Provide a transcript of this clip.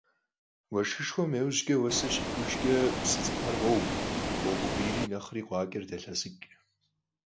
Уэшхышхуэм иужькӀэ, уэсыр щыткӀужкӀэ псы цӀыкӀухэр къоу, къоукъубийри нэхъри къуакӀэр далъэсыкӀ.